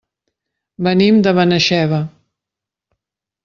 Venim de Benaixeve.